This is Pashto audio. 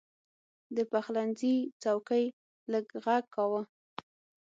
د پخلنځي څوکۍ لږ غږ کاوه.